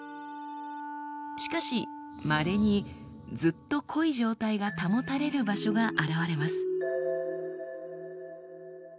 しかしまれにずっと濃い状態が保たれる場所が現れます。